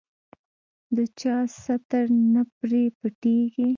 د چا ستر نه پرې پټېږي.